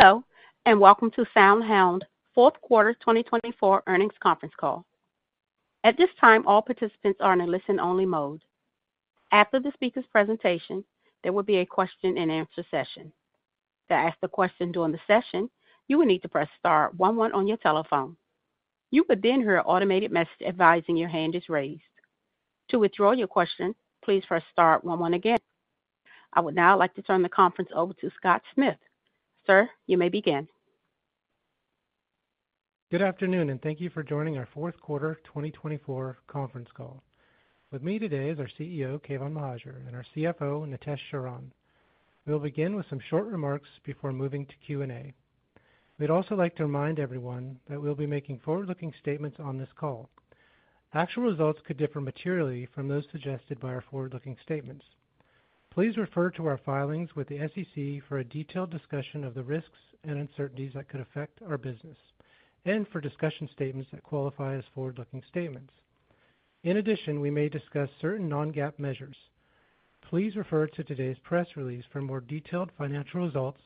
Hello, and welcome to SoundHound Fourth Quarter 2024 earnings conference call. At this time, all participants are in a listen-only mode. After the speaker's presentation, there will be a question-and-answer session. To ask a question during the session, you will need to press star 11 on your telephone. You will then hear an automated message advising your hand is raised. To withdraw your question, please press star 11 again. I would now like to turn the conference over to Scott Smith. Sir, you may begin. Good afternoon, and thank you for joining our Fourth Quarter 2024 conference call. With me today is our CEO, Keyvan Mohajer, and our CFO, Nitesh Sharan. We'll begin with some short remarks before moving to Q&A. We'd also like to remind everyone that we'll be making forward-looking statements on this call. Actual results could differ materially from those suggested by our forward-looking statements. Please refer to our filings with the SEC for a detailed discussion of the risks and uncertainties that could affect our business, and for discussion statements that qualify as forward-looking statements. In addition, we may discuss certain non-GAAP measures. Please refer to today's press release for more detailed financial results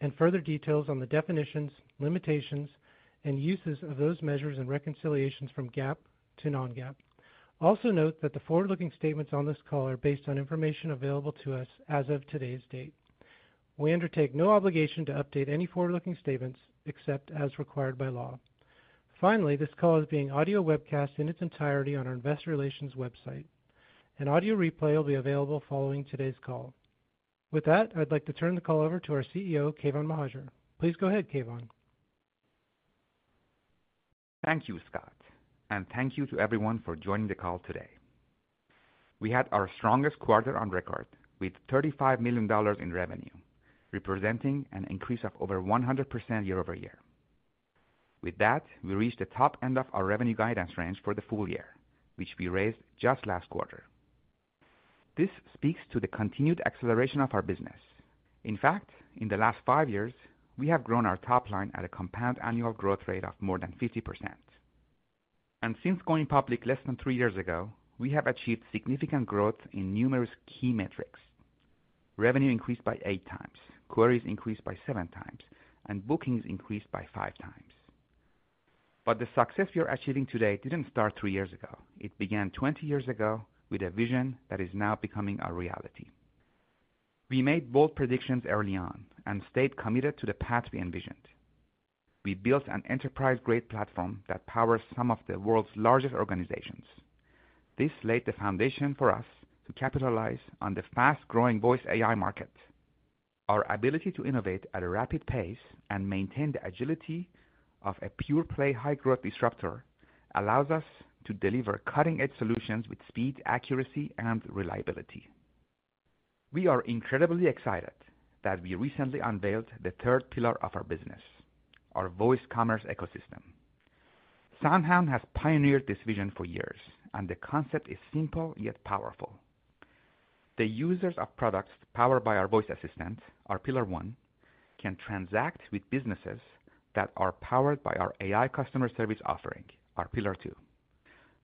and further details on the definitions, limitations, and uses of those measures and reconciliations from GAAP to non-GAAP. Also note that the forward-looking statements on this call are based on information available to us as of today's date. We undertake no obligation to update any forward-looking statements except as required by law. Finally, this call is being audio-webcast in its entirety on our investor relations website. An audio replay will be available following today's call. With that, I'd like to turn the call over to our CEO, Keyvan Mohajer. Please go ahead, Keyvan. Thank you, Scott, and thank you to everyone for joining the call today. We had our strongest quarter on record with $35 million in revenue, representing an increase of over 100% year over year. With that, we reached the top end of our revenue guidance range for the full year, which we raised just last quarter. This speaks to the continued acceleration of our business. In fact, in the last five years, we have grown our top line at a compound annual growth rate of more than 50%. And since going public less than three years ago, we have achieved significant growth in numerous key metrics. Revenue increased by eight times, queries increased by seven times, and bookings increased by five times. But the success we are achieving today didn't start three years ago. It began 20 years ago with a vision that is now becoming a reality. We made bold predictions early on and stayed committed to the path we envisioned. We built an enterprise-grade platform that powers some of the world's largest organizations. This laid the foundation for us to capitalize on the fast-growing voice AI market. Our ability to innovate at a rapid pace and maintain the agility of a pure-play high-growth disruptor allows us to deliver cutting-edge solutions with speed, accuracy, and reliability. We are incredibly excited that we recently unveiled the third pillar of our business, our voice commerce ecosystem. SoundHound has pioneered this vision for years, and the concept is simple yet powerful. The users of products powered by our voice assistant, our Pillar 1, can transact with businesses that are powered by our AI customer service offering, our Pillar 2.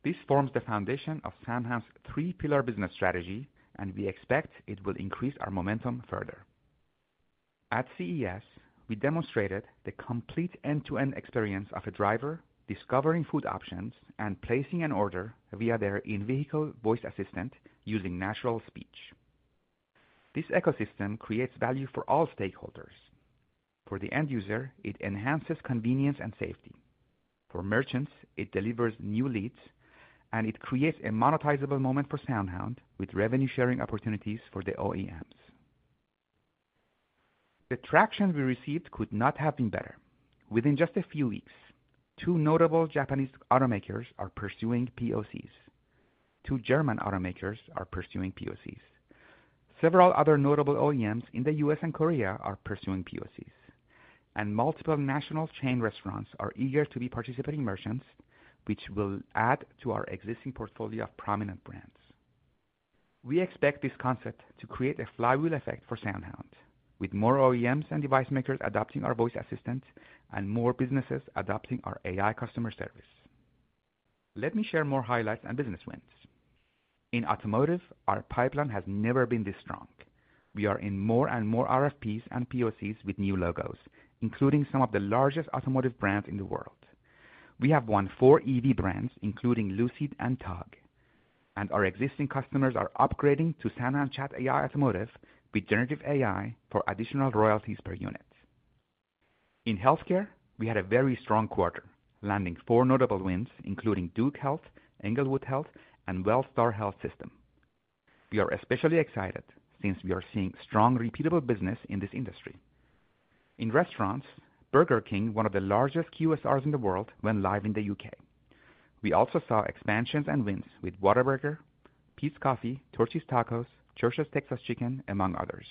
This forms the foundation of SoundHound's three-pillar business strategy, and we expect it will increase our momentum further. At CES, we demonstrated the complete end-to-end experience of a driver discovering food options and placing an order via their in-vehicle voice assistant using natural speech. This ecosystem creates value for all stakeholders. For the end user, it enhances convenience and safety. For merchants, it delivers new leads, and it creates a monetizable moment for SoundHound with revenue-sharing opportunities for the OEMs. The traction we received could not have been better. Within just a few weeks, two notable Japanese automakers are pursuing POCs. Two German automakers are pursuing POCs. Several other notable OEMs in the US and Korea are pursuing POCs, and multiple national chain restaurants are eager to be participating merchants, which will add to our existing portfolio of prominent brands. We expect this concept to create a flywheel effect for SoundHound, with more OEMs and device makers adopting our voice assistant and more businesses adopting our AI customer service. Let me share more highlights and business wins. In automotive, our pipeline has never been this strong. We are in more and more RFPs and POCs with new logos, including some of the largest automotive brands in the world. We have won four EV brands, including Lucid and Togg. And our existing customers are upgrading to SoundHound Chat AI Automotive with generative AI for additional royalties per unit. In healthcare, we had a very strong quarter, landing four notable wins, including Duke Health, Englewood Health, and Wellstar Health System. We are especially excited since we are seeing strong, repeatable business in this industry. In restaurants, Burger King, one of the largest QSRs in the world, went live in the UK. We also saw expansions and wins with Whataburger, Peet's Coffee, Torchy's Tacos, Church's Texas Chicken, among others.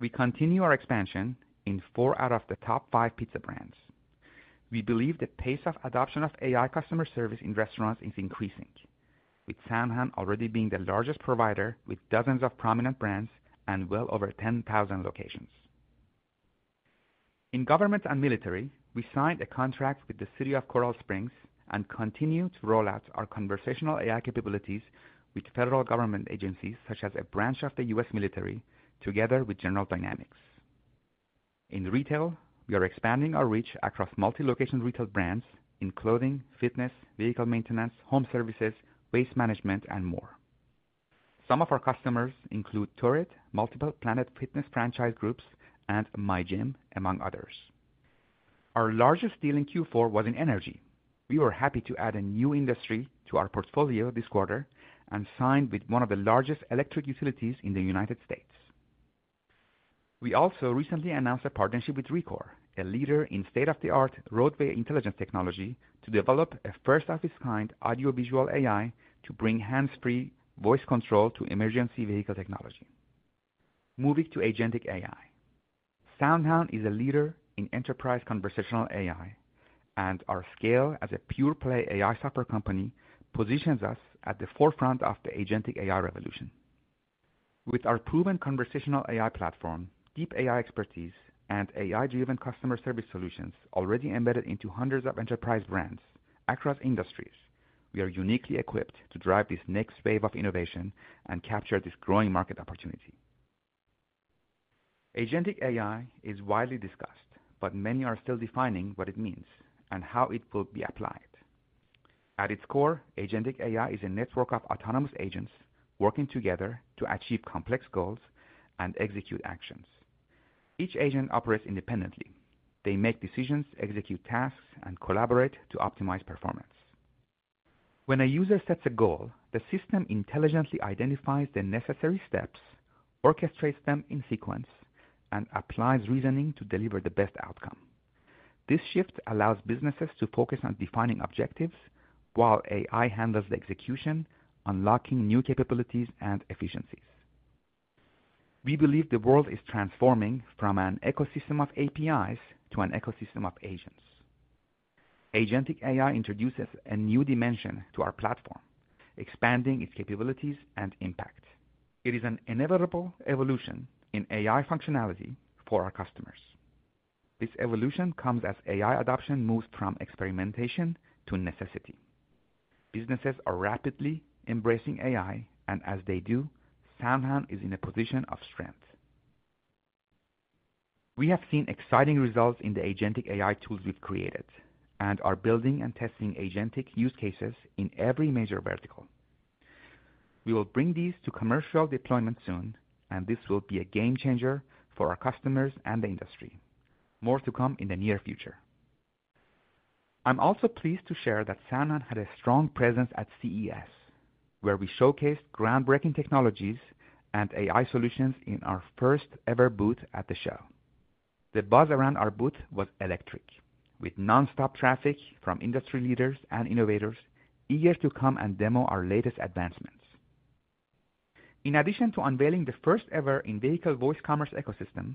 We continue our expansion in four out of the top five pizza brands. We believe the pace of adoption of AI customer service in restaurants is increasing, with SoundHound already being the largest provider with dozens of prominent brands and well over 10,000 locations. In government and military, we signed a contract with the City of Coral Springs and continue to roll out our conversational AI capabilities with federal government agencies such as a branch of the U.S. military, together with General Dynamics. In retail, we are expanding our reach across multi-location retail brands in clothing, fitness, vehicle maintenance, home services, waste management, and more. Some of our customers include Turo, multiple Planet Fitness franchise groups, and My Gym, among others. Our largest deal in Q4 was in energy. We were happy to add a new industry to our portfolio this quarter and signed with one of the largest electric utilities in the United States. We also recently announced a partnership with Rekor, a leader in state-of-the-art roadway intelligence technology, to develop a first-of-its-kind audio-visual AI to bring hands-free voice control to emergency vehicle technology. Moving to agentic AI, SoundHound is a leader in enterprise conversational AI, and our scale as a pure-play AI software company positions us at the forefront of the agentic AI revolution. With our proven conversational AI platform, deep AI expertise, and AI-driven customer service solutions already embedded into hundreds of enterprise brands across industries, we are uniquely equipped to drive this next wave of innovation and capture this growing market opportunity. agentic AI is widely discussed, but many are still defining what it means and how it will be applied. At its core, agentic AI is a network of autonomous agents working together to achieve complex goals and execute actions. Each agent operates independently. They make decisions, execute tasks, and collaborate to optimize performance. When a user sets a goal, the system intelligently identifies the necessary steps, orchestrates them in sequence, and applies reasoning to deliver the best outcome. This shift allows businesses to focus on defining objectives while AI handles the execution, unlocking new capabilities and efficiencies. We believe the world is transforming from an ecosystem of APIs to an ecosystem of agents. agentic AI introduces a new dimension to our platform, expanding its capabilities and impact. It is an inevitable evolution in AI functionality for our customers. This evolution comes as AI adoption moves from experimentation to necessity. Businesses are rapidly embracing AI, and as they do, SoundHound is in a position of strength. We have seen exciting results in the agentic AI tools we've created and are building and testing agentic use cases in every major vertical. We will bring these to commercial deployment soon, and this will be a game changer for our customers and the industry. More to come in the near future. I'm also pleased to share that SoundHound had a strong presence at CES, where we showcased groundbreaking technologies and AI solutions in our first-ever booth at the show. The buzz around our booth was electric, with nonstop traffic from industry leaders and innovators eager to come and demo our latest advancements. In addition to unveiling the first-ever in-vehicle voice commerce ecosystem,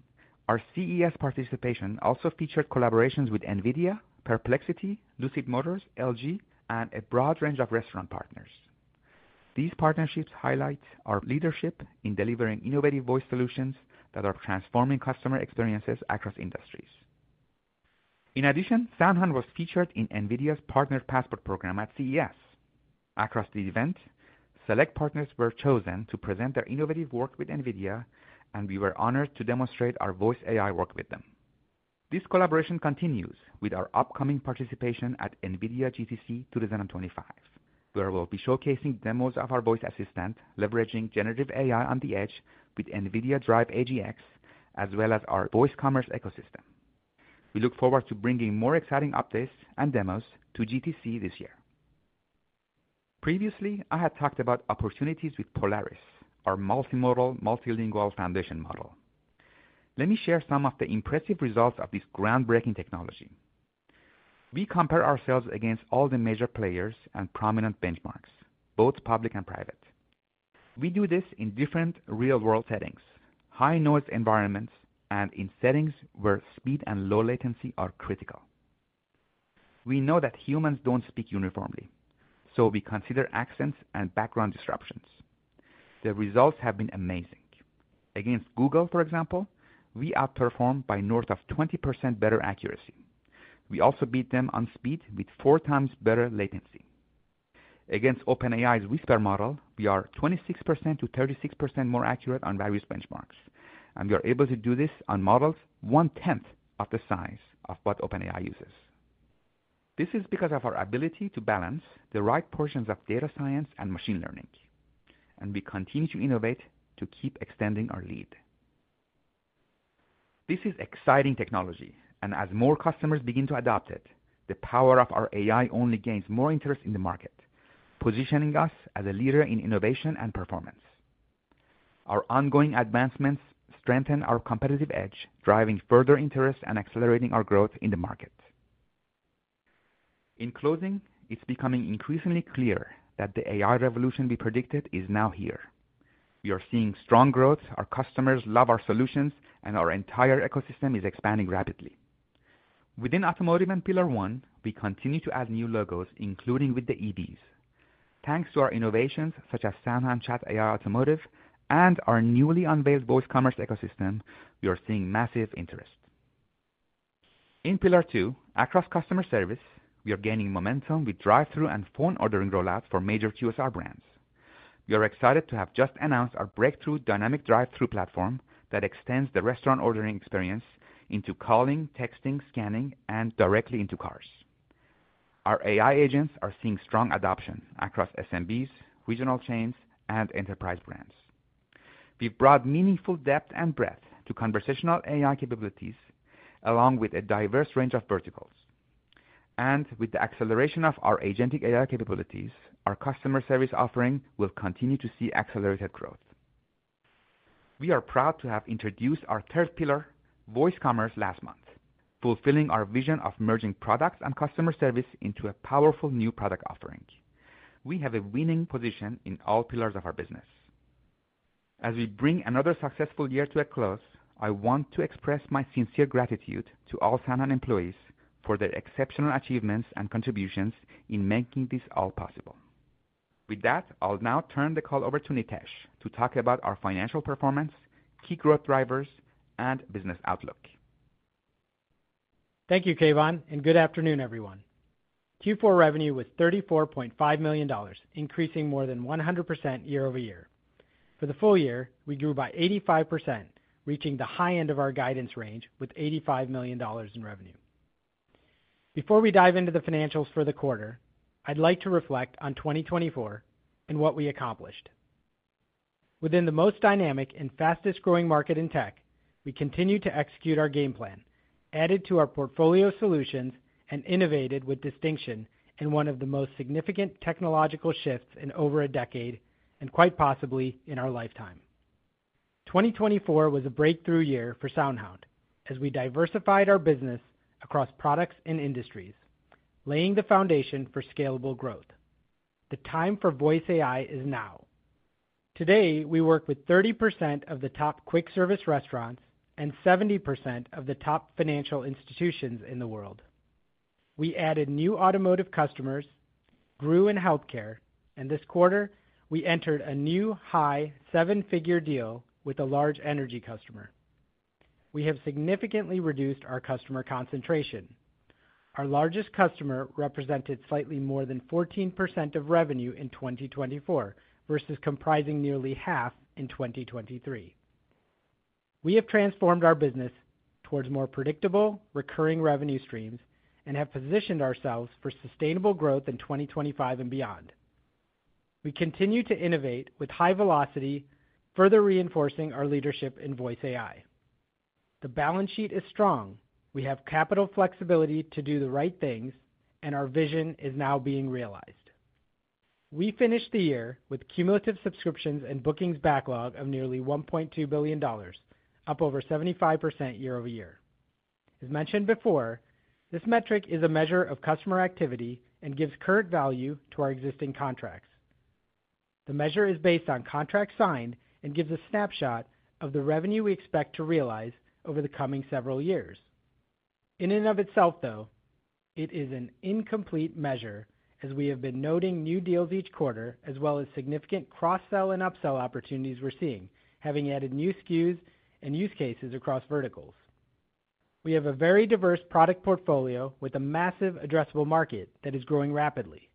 our CES participation also featured collaborations with Nvidia, Perplexity, Lucid Motors, LG, and a broad range of restaurant partners. These partnerships highlight our leadership in delivering innovative voice solutions that are transforming customer experiences across industries. In addition, SoundHound was featured in Nvidia's Partner Passport Program at CES. Across the event, select partners were chosen to present their innovative work with Nvidia, and we were honored to demonstrate our voice AI work with them. This collaboration continues with our upcoming participation at Nvidia GTC 2025, where we'll be showcasing demos of our voice assistant leveraging generative AI on the edge with Nvidia Drive AGX, as well as our voice commerce ecosystem. We look forward to bringing more exciting updates and demos to GTC this year. Previously, I had talked about opportunities with Polaris, our multimodal multilingual foundation model. Let me share some of the impressive results of this groundbreaking technology. We compare ourselves against all the major players and prominent benchmarks, both public and private. We do this in different real-world settings, high-noise environments, and in settings where speed and low latency are critical. We know that humans don't speak uniformly, so we consider accents and background disruptions. The results have been amazing. Against Google, for example, we outperform by north of 20% better accuracy. We also beat them on speed with four times better latency. Against OpenAI's Whisper model, we are 26%-36% more accurate on various benchmarks, and we are able to do this on models one-tenth of the size of what OpenAI uses. This is because of our ability to balance the right portions of data science and machine learning, and we continue to innovate to keep extending our lead. This is exciting technology, and as more customers begin to adopt it, the power of our AI only gains more interest in the market, positioning us as a leader in innovation and performance. Our ongoing advancements strengthen our competitive edge, driving further interest and accelerating our growth in the market. In closing, it's becoming increasingly clear that the AI revolution we predicted is now here. We are seeing strong growth, our customers love our solutions, and our entire ecosystem is expanding rapidly. Within automotive and Pillar 1, we continue to add new logos, including with the EVs. Thanks to our innovations such as SoundHound Chat AI Automotive and our newly unveiled voice commerce ecosystem, we are seeing massive interest. In Pillar 2, across customer service, we are gaining momentum with drive-through and phone ordering rollouts for major QSR brands. We are excited to have just announced our breakthrough Dynamic Drive-Thru platform that extends the restaurant ordering experience into calling, texting, scanning, and directly into cars. Our AI agents are seeing strong adoption across SMBs, regional chains, and enterprise brands. We've brought meaningful depth and breadth to conversational AI capabilities along with a diverse range of verticals. And with agentic AI capabilities, our customer service offering will continue to see accelerated growth. We are proud to have introduced our third pillar, voice commerce, last month, fulfilling our vision of merging products and customer service into a powerful new product offering. We have a winning position in all pillars of our business. As we bring another successful year to a close, I want to express my sincere gratitude to all SoundHound employees for their exceptional achievements and contributions in making this all possible. With that, I'll now turn the call over to Nitesh to talk about our financial performance, key growth drivers, and business outlook. Thank you, Keyvan, and good afternoon, everyone. Q4 revenue was $34.5 million, increasing more than 100% year over year. For the full year, we grew by 85%, reaching the high end of our guidance range with $85 million in revenue. Before we dive into the financials for the quarter, I'd like to reflect on 2024 and what we accomplished. Within the most dynamic and fastest-growing market in tech, we continue to execute our game plan, added to our portfolio solutions, and innovated with distinction in one of the most significant technological shifts in over a decade and quite possibly in our lifetime. 2024 was a breakthrough year for SoundHound as we diversified our business across products and industries, laying the foundation for scalable growth. The time for voice AI is now. Today, we work with 30% of the top quick-service restaurants and 70% of the top financial institutions in the world. We added new automotive customers, grew in healthcare, and this quarter, we entered a new high seven-figure deal with a large energy customer. We have significantly reduced our customer concentration. Our largest customer represented slightly more than 14% of revenue in 2024 versus comprising nearly half in 2023. We have transformed our business towards more predictable, recurring revenue streams and have positioned ourselves for sustainable growth in 2025 and beyond. We continue to innovate with high velocity, further reinforcing our leadership in voice AI. The balance sheet is strong. We have capital flexibility to do the right things, and our vision is now being realized. We finished the year with cumulative subscriptions and bookings backlog of nearly $1.2 billion, up over 75% year over year. As mentioned before, this metric is a measure of customer activity and gives current value to our existing contracts. The measure is based on contracts signed and gives a snapshot of the revenue we expect to realize over the coming several years. In and of itself, though, it is an incomplete measure as we have been noting new deals each quarter, as well as significant cross-sell and upsell opportunities we're seeing, having added new SKUs and use cases across verticals. We have a very diverse product portfolio with a massive addressable market that is growing rapidly.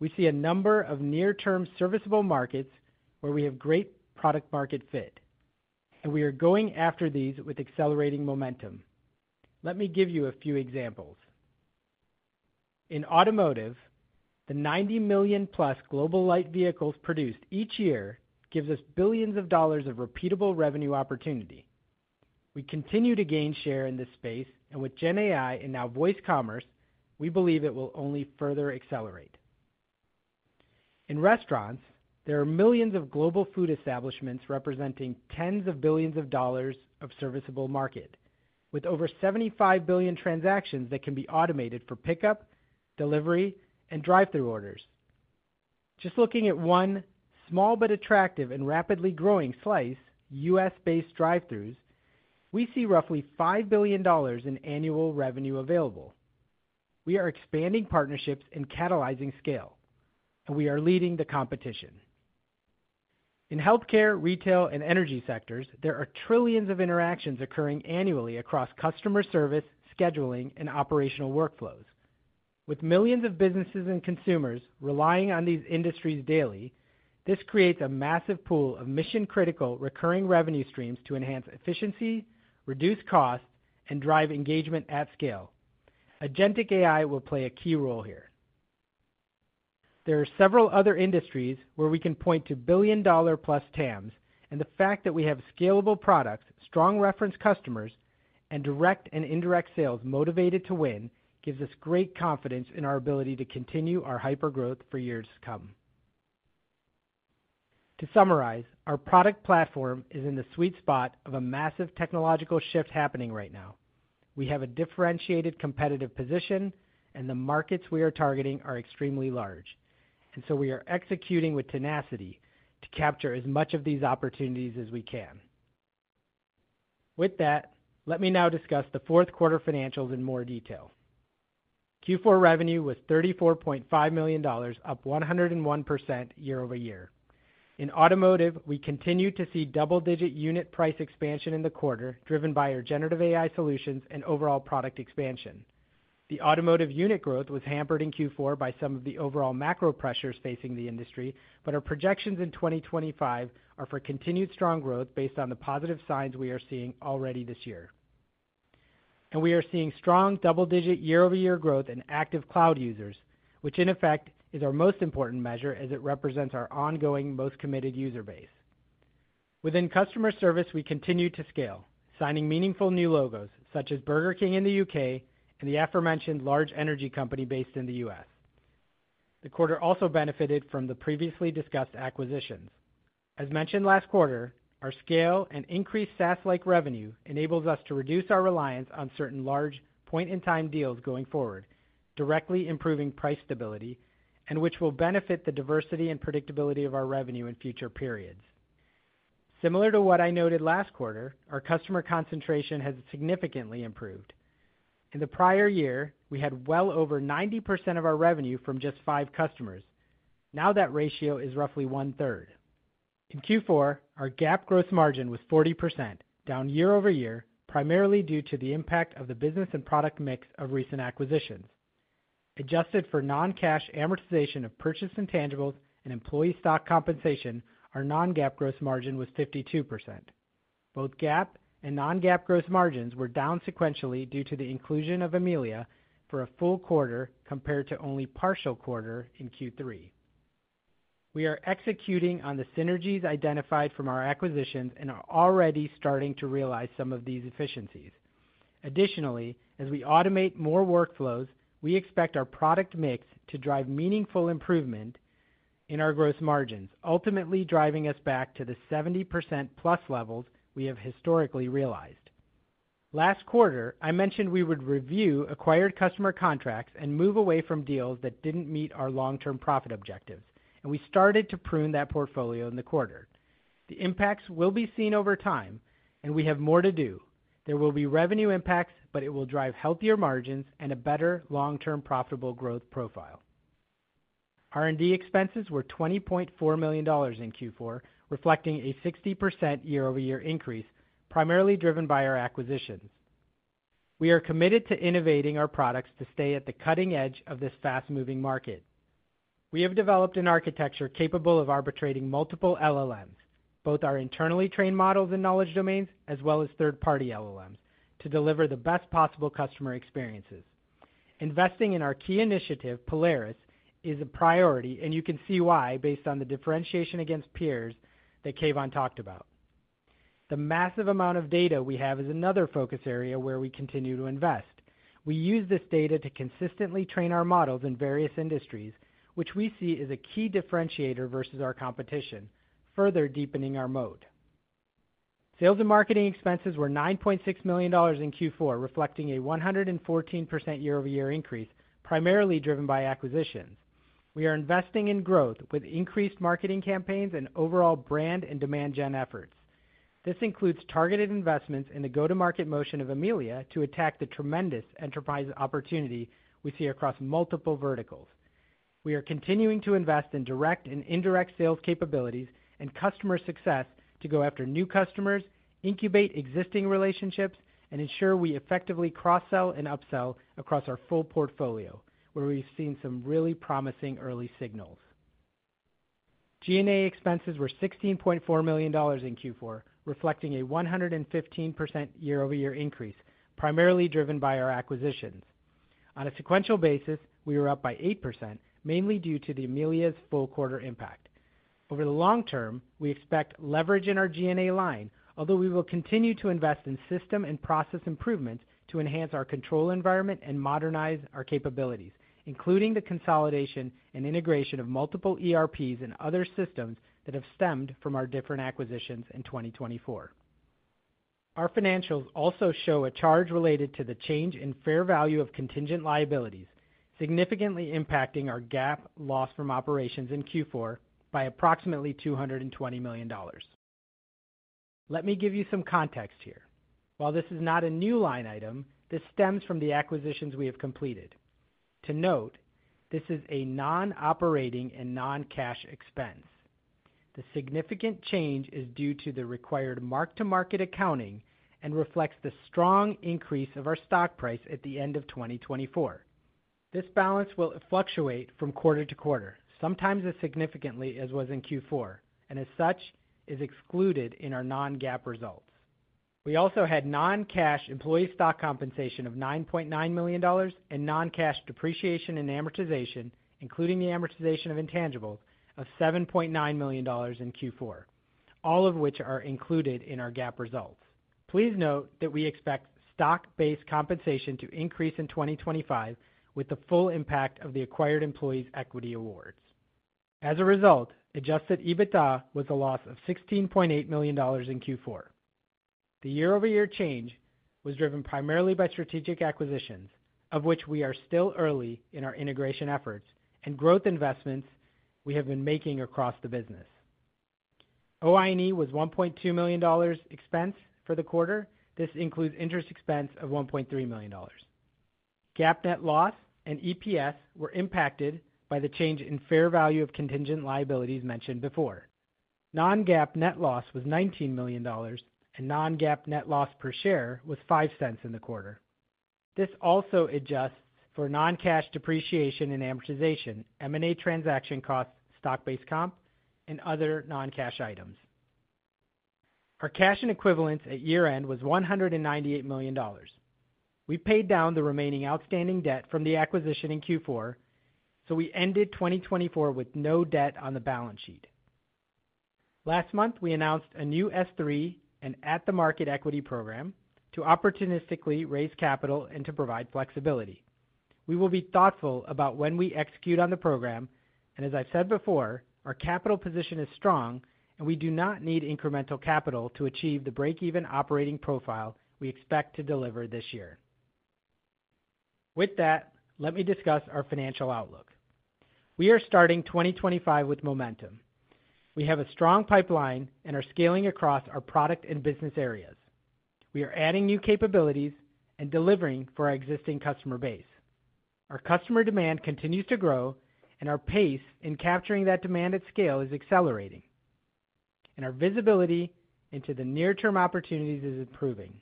We see a number of near-term serviceable markets where we have great product-market fit, and we are going after these with accelerating momentum. Let me give you a few examples. In automotive, the 90 million-plus global light vehicles produced each year gives us billions of dollars of repeatable revenue opportunity. We continue to gain share in this space, and with GenAI and now voice commerce, we believe it will only further accelerate. In restaurants, there are millions of global food establishments representing tens of billions of dollars of serviceable market, with over 75 billion transactions that can be automated for pickup, delivery, and drive-through orders. Just looking at one small but attractive and rapidly growing slice, U.S.-based drive-throughs, we see roughly $5 billion in annual revenue available. We are expanding partnerships and catalyzing scale, and we are leading the competition. In healthcare, retail, and energy sectors, there are trillions of interactions occurring annually across customer service, scheduling, and operational workflows. With millions of businesses and consumers relying on these industries daily, this creates a massive pool of mission-critical recurring revenue streams to enhance efficiency, reduce costs, and drive engagement at scale. agentic AI will play a key role here. There are several other industries where we can point to billion-dollar-plus TAMs, and the fact that we have scalable products, strong reference customers, and direct and indirect sales motivated to win gives us great confidence in our ability to continue our hyper-growth for years to come. To summarize, our product platform is in the sweet spot of a massive technological shift happening right now. We have a differentiated competitive position, and the markets we are targeting are extremely large, and so we are executing with tenacity to capture as much of these opportunities as we can. With that, let me now discuss the fourth quarter financials in more detail. Q4 revenue was $34.5 million, up 101% year over year. In automotive, we continue to see double-digit unit price expansion in the quarter, driven by our generative AI solutions and overall product expansion. The automotive unit growth was hampered in Q4 by some of the overall macro pressures facing the industry, but our projections in 2025 are for continued strong growth based on the positive signs we are seeing already this year. And we are seeing strong double-digit year-over-year growth in active cloud users, which in effect is our most important measure as it represents our ongoing most committed user base. Within customer service, we continue to scale, signing meaningful new logos such as Burger King in the U.K. and the aforementioned large energy company based in the U.S. The quarter also benefited from the previously discussed acquisitions. As mentioned last quarter, our scale and increased SaaS-like revenue enables us to reduce our reliance on certain large point-in-time deals going forward, directly improving price stability, and which will benefit the diversity and predictability of our revenue in future periods. Similar to what I noted last quarter, our customer concentration has significantly improved. In the prior year, we had well over 90% of our revenue from just five customers. Now that ratio is roughly one-third. In Q4, our GAAP gross margin was 40%, down year over year, primarily due to the impact of the business and product mix of recent acquisitions. Adjusted for non-cash amortization of purchase intangibles and employee stock compensation, our non-GAAP gross margin was 52%. Both GAAP and non-GAAP gross margins were down sequentially due to the inclusion of Amelia for a full quarter compared to only a partial quarter in Q3. We are executing on the synergies identified from our acquisitions and are already starting to realize some of these efficiencies. Additionally, as we automate more workflows, we expect our product mix to drive meaningful improvement in our gross margins, ultimately driving us back to the 70%-plus levels we have historically realized. Last quarter, I mentioned we would review acquired customer contracts and move away from deals that didn't meet our long-term profit objectives, and we started to prune that portfolio in the quarter. The impacts will be seen over time, and we have more to do. There will be revenue impacts, but it will drive healthier margins and a better long-term profitable growth profile. R&D expenses were $20.4 million in Q4, reflecting a 60% year-over-year increase, primarily driven by our acquisitions. We are committed to innovating our products to stay at the cutting edge of this fast-moving market. We have developed an architecture capable of arbitrating multiple LLMs, both our internally trained models and knowledge domains, as well as third-party LLMs, to deliver the best possible customer experiences. Investing in our key initiative, Polaris, is a priority, and you can see why based on the differentiation against peers that Keyvan talked about. The massive amount of data we have is another focus area where we continue to invest. We use this data to consistently train our models in various industries, which we see is a key differentiator versus our competition, further deepening our moat. Sales and marketing expenses were $9.6 million in Q4, reflecting a 114% year-over-year increase, primarily driven by acquisitions. We are investing in growth with increased marketing campaigns and overall brand and demand gen efforts. This includes targeted investments in the go-to-market motion of Amelia to attack the tremendous enterprise opportunity we see across multiple verticals. We are continuing to invest in direct and indirect sales capabilities and customer success to go after new customers, incubate existing relationships, and ensure we effectively cross-sell and upsell across our full portfolio, where we've seen some really promising early signals. G&A expenses were $16.4 million in Q4, reflecting a 115% year-over-year increase, primarily driven by our acquisitions. On a sequential basis, we were up by 8%, mainly due to the Amelia's full quarter impact. Over the long term, we expect leverage in our G&A line, although we will continue to invest in system and process improvements to enhance our control environment and modernize our capabilities, including the consolidation and integration of multiple ERPs and other systems that have stemmed from our different acquisitions in 2024. Our financials also show a charge related to the change in fair value of contingent liabilities, significantly impacting our GAAP loss from operations in Q4 by approximately $220 million. Let me give you some context here. While this is not a new line item, this stems from the acquisitions we have completed. To note, this is a non-operating and non-cash expense. The significant change is due to the required mark-to-market accounting and reflects the strong increase of our stock price at the end of 2024. This balance will fluctuate from quarter to quarter, sometimes as significantly as was in Q4, and as such, is excluded in our non-GAAP results. We also had non-cash employee stock compensation of $9.9 million and non-cash depreciation and amortization, including the amortization of intangibles, of $7.9 million in Q4, all of which are included in our GAAP results. Please note that we expect stock-based compensation to increase in 2025 with the full impact of the acquired employees' equity awards. As a result, adjusted EBITDA was a loss of $16.8 million in Q4. The year-over-year change was driven primarily by strategic acquisitions, of which we are still early in our integration efforts and growth investments we have been making across the business. OI&E was $1.2 million expense for the quarter. This includes interest expense of $1.3 million. GAAP net loss and EPS were impacted by the change in fair value of contingent liabilities mentioned before. Non-GAAP net loss was $19 million, and Non-GAAP net loss per share was $0.05 in the quarter. This also adjusts for non-cash depreciation and amortization, M&A transaction costs, stock-based comp, and other non-cash items. Our cash and equivalents at year-end was $198 million. We paid down the remaining outstanding debt from the acquisition in Q4, so we ended 2024 with no debt on the balance sheet. Last month, we announced a new shelf and at-the-market equity program to opportunistically raise capital and to provide flexibility. We will be thoughtful about when we execute on the program, and as I've said before, our capital position is strong, and we do not need incremental capital to achieve the break-even operating profile we expect to deliver this year. With that, let me discuss our financial outlook. We are starting 2025 with momentum. We have a strong pipeline and are scaling across our product and business areas. We are adding new capabilities and delivering for our existing customer base. Our customer demand continues to grow, and our pace in capturing that demand at scale is accelerating, and our visibility into the near-term opportunities is improving.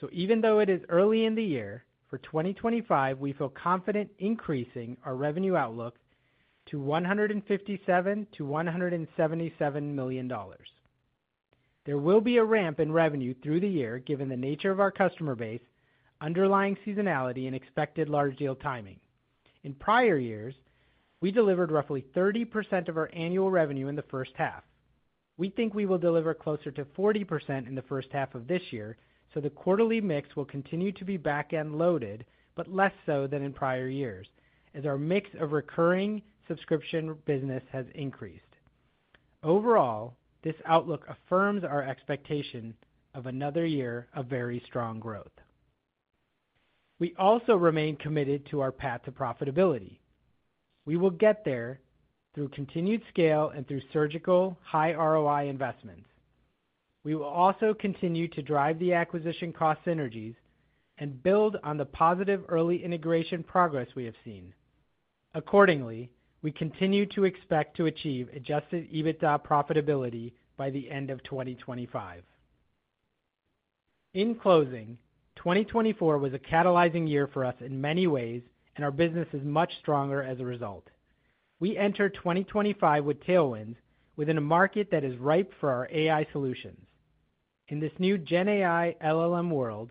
So even though it is early in the year, for 2025, we feel confident increasing our revenue outlook to $157-$177 million. There will be a ramp in revenue through the year given the nature of our customer base, underlying seasonality, and expected large deal timing. In prior years, we delivered roughly 30% of our annual revenue in the first half. We think we will deliver closer to 40% in the first half of this year, so the quarterly mix will continue to be back-end loaded, but less so than in prior years, as our mix of recurring subscription business has increased. Overall, this outlook affirms our expectation of another year of very strong growth. We also remain committed to our path to profitability. We will get there through continued scale and through surgical high ROI investments. We will also continue to drive the acquisition cost synergies and build on the positive early integration progress we have seen. Accordingly, we continue to expect to achieve adjusted EBITDA profitability by the end of 2025. In closing, 2024 was a catalyzing year for us in many ways, and our business is much stronger as a result. We enter 2025 with tailwinds, within a market that is ripe for our AI solutions. In this new GenAI LLM world,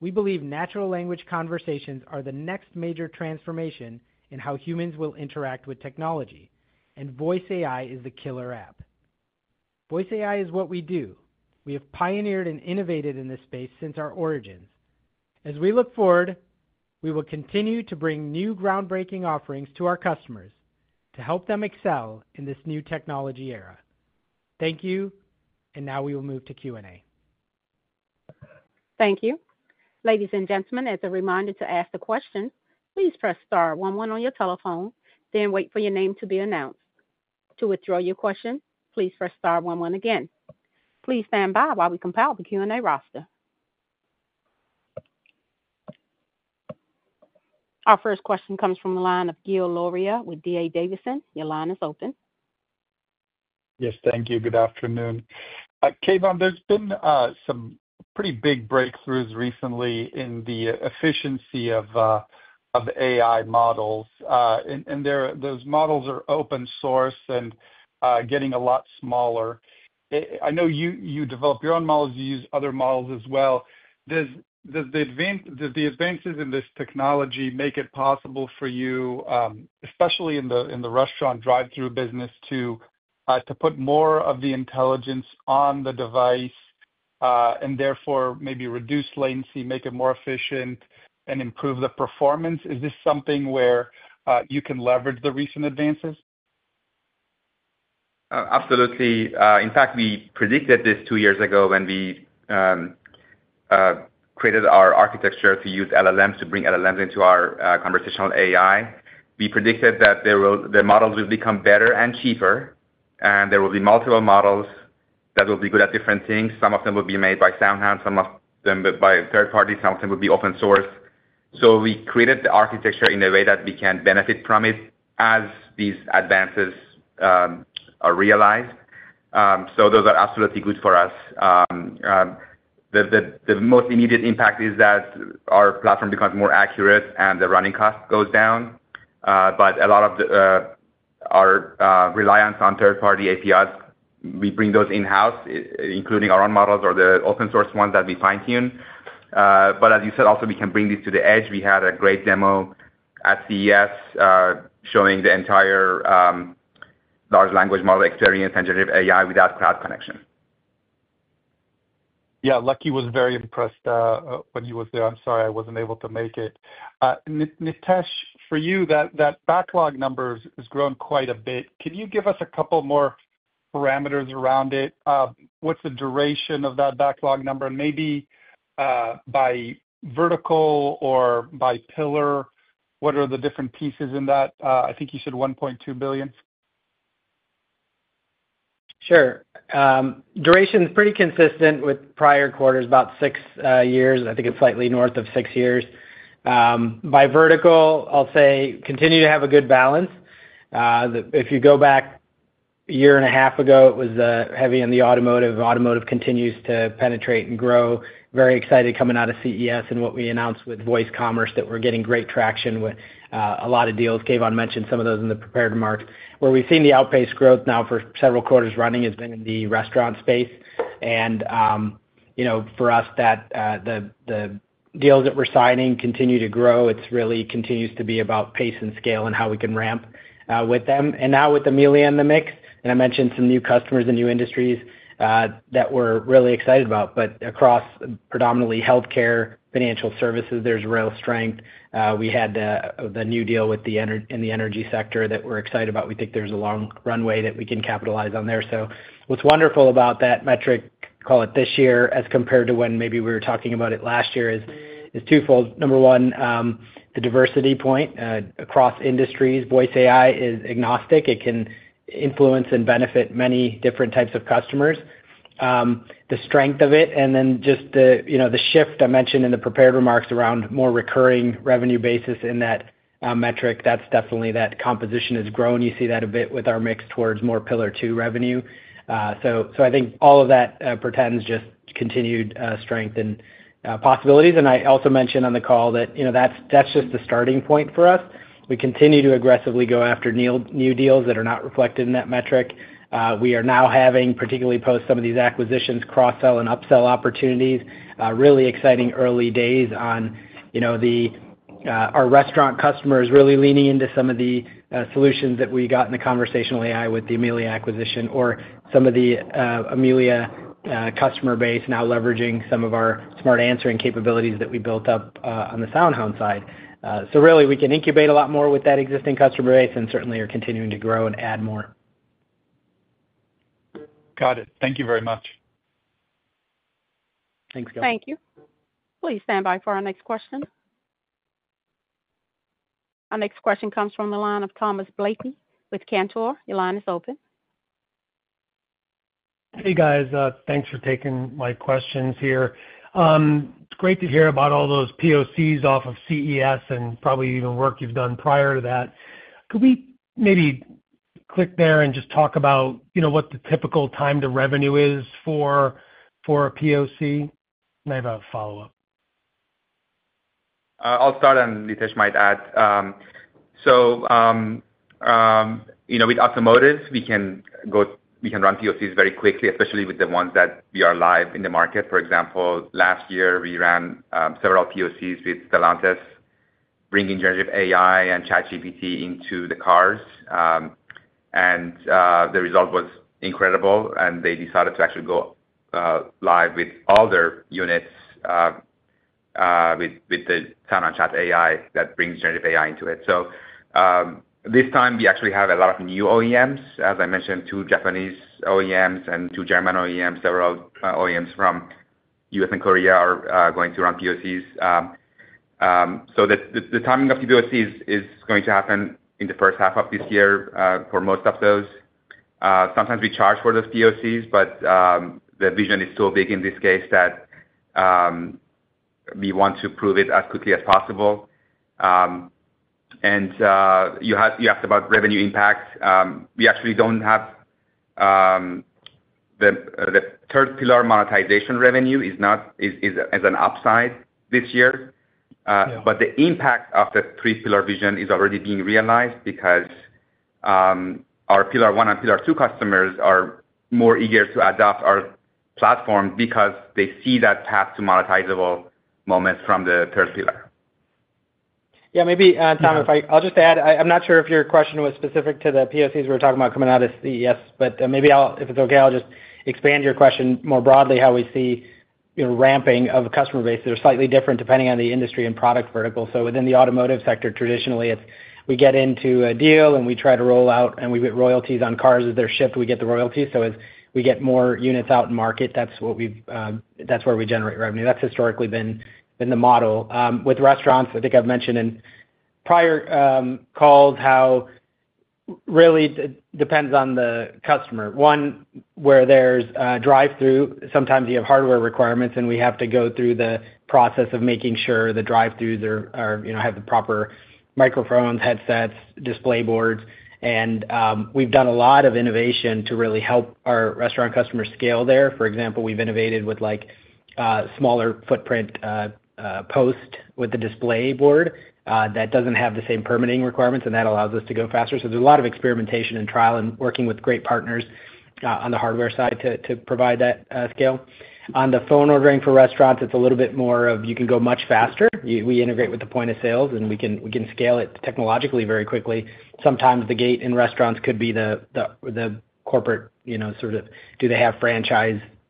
we believe natural language conversations are the next major transformation in how humans will interact with technology, and voice AI is the killer app. voice AI is what we do. We have pioneered and innovated in this space since our origins. As we look forward, we will continue to bring new groundbreaking offerings to our customers to help them excel in this new technology era. Thank you, and now we will move to Q&A. Thank you. Ladies and gentlemen, as a reminder to ask the question, please press star 11 on your telephone, then wait for your name to be announced. To withdraw your question, please press star 11 again. Please stand by while we compile the Q&A roster. Our first question comes from the line of Gil Luria with D.A. Davidson. Your line is open. Yes, thank you. Good afternoon. Keyvan, there's been some pretty big breakthroughs recently in the efficiency of AI models. And those models are open source and getting a lot smaller. I know you develop your own models. You use other models as well. Does the advances in this technology make it possible for you, especially in the restaurant drive-through business, to put more of the intelligence on the device and therefore maybe reduce latency, make it more efficient, and improve the performance? Is this something where you can leverage the recent advances? Absolutely. In fact, we predicted this two years ago when we created our architecture to use LLMs to bring LLMs into our conversational AI. We predicted that the models would become better and cheaper, and there will be multiple models that will be good at different things. Some of them will be made by SoundHound, some of them by third parties, some of them will be open source. So we created the architecture in a way that we can benefit from it as these advances are realized. So those are absolutely good for us. The most immediate impact is that our platform becomes more accurate and the running cost goes down. But a lot of our reliance on third-party APIs, we bring those in-house, including our own models or the open-source ones that we fine-tune. But as you said, also, we can bring these to the edge. We had a great demo at CES showing the entire large language model experience and generative AI without cloud connection. Yeah, Luckey was very impressed when he was there. I'm sorry I wasn't able to make it. Nitesh, for you, that backlog number has grown quite a bit. Can you give us a couple more parameters around it? What's the duration of that backlog number? And maybe by vertical or by pillar, what are the different pieces in that? I think you said $1.2 billion. Sure. Duration is pretty consistent with prior quarters, about six years. I think it's slightly north of six years. By vertical, I'll say continue to have a good balance. If you go back a year and a half ago, it was heavy in the automotive. Automotive continues to penetrate and grow. Very excited coming out of CES and what we announced with voice commerce that we're getting great traction with a lot of deals. Keyvan mentioned some of those in the prepared remarks. Where we've seen the outpaced growth now for several quarters running has been in the restaurant space. And for us, the deals that we're signing continue to grow. It really continues to be about pace and scale and how we can ramp with them. And now with Amelia in the mix, and I mentioned some new customers and new industries that we're really excited about. But across predominantly healthcare, financial services, there's real strength. We had the new deal in the energy sector that we're excited about. We think there's a long runway that we can capitalize on there. So what's wonderful about that metric, call it this year, as compared to when maybe we were talking about it last year is twofold. Number one, the diversity point across industries. voice AI is agnostic. It can influence and benefit many different types of customers. The strength of it, and then just the shift I mentioned in the prepared remarks around more recurring revenue basis in that metric, that's definitely that composition has grown. You see that a bit with our mix towards more Pillar 2 revenue. So I think all of that portends just continued strength and possibilities, and I also mentioned on the call that that's just the starting point for us. We continue to aggressively go after new deals that are not reflected in that metric. We are now having, particularly post some of these acquisitions, cross-sell and upsell opportunities. Really exciting early days on our restaurant customers really leaning into some of the solutions that we got in the conversational AI with the Amelia acquisition, or some of the Amelia customer base now leveraging some of our Smart Answering capabilities that we built up on the SoundHound side. So really, we can incubate a lot more with that existing customer base and certainly are continuing to grow and add more. Got it. Thank you very much. Thanks, Keyvan. Thank you. Please stand by for our next question. Our next question comes from the line of Thomas Blakey with Cantor. Your line is open. Hey, guys. Thanks for taking my questions here. It's great to hear about all those POCs off of CES and probably even work you've done prior to that. Could we maybe dig there and just talk about what the typical time to revenue is for a POC? And I have a follow-up. I'll start, and Nitesh might add. So with automotive, we can run POCs very quickly, especially with the ones that we are live in the market. For example, last year, we ran several POCs with Stellantis bringing generative AI and ChatGPT into the cars. And the result was incredible, and they decided to actually go live with all their units with the SoundHound Chat AI that brings generative AI into it. So this time, we actually have a lot of new OEMs. As I mentioned, two Japanese OEMs and two German OEMs. Several OEMs from U.S. and Korea are going to run POCs. The timing of the POCs is going to happen in the first half of this year for most of those. Sometimes we charge for those POCs, but the vision is so big in this case that we want to prove it as quickly as possible. You asked about revenue impact. We actually don't have the third pillar monetization. Revenue is an upside this year. The impact of the three-pillar vision is already being realized because our Pillar 1 and Pillar 2 customers are more eager to adopt our platform because they see that path to monetizable moments from the third pillar. Yeah, maybe, Tom, if I'll just add, I'm not sure if your question was specific to the POCs we were talking about coming out of CES, but maybe if it's okay, I'll just expand your question more broadly, how we see ramping of customer bases are slightly different depending on the industry and product vertical. So within the automotive sector, traditionally, we get into a deal and we try to roll out, and we get royalties on cars as they're shipped. We get the royalties. So as we get more units out in market, that's where we generate revenue. That's historically been the model. With restaurants, I think I've mentioned in prior calls how really it depends on the customer. One, where there's drive-through, sometimes you have hardware requirements, and we have to go through the process of making sure the drive-throughs have the proper microphones, headsets, display boards. We've done a lot of innovation to really help our restaurant customers scale there. For example, we've innovated with smaller footprint posts with the display board that doesn't have the same permitting requirements, and that allows us to go faster. There's a lot of experimentation and trial and working with great partners on the hardware side to provide that scale. On the phone ordering for restaurants, it's a little bit more of you can go much faster. We integrate with the point of sale, and we can scale it technologically very quickly. Sometimes the gate in restaurants could be the corporate sort of, do they have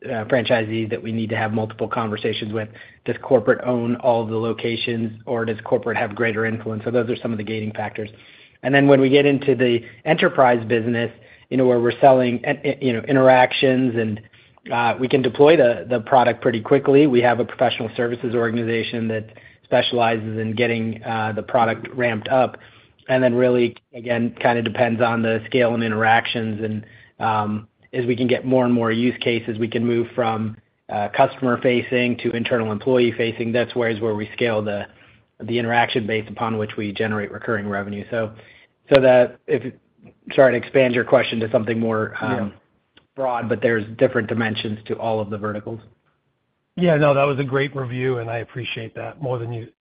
franchisees that we need to have multiple conversations with? Does corporate own all the locations, or does corporate have greater influence? Those are some of the gating factors. And then when we get into the enterprise business, where we're selling interactions, and we can deploy the product pretty quickly. We have a professional services organization that specializes in getting the product ramped up. And then really, again, kind of depends on the scale and interactions. And as we can get more and more use cases, we can move from customer-facing to internal employee-facing. That's where we scale the interaction based upon which we generate recurring revenue. So sorry to expand your question to something more broad, but there's different dimensions to all of the verticals. Yeah, no, that was a great review, and I appreciate that more than you